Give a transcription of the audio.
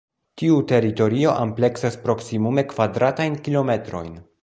Tiu teritorio ampleksas proksimume kvadratajn kilometrojn.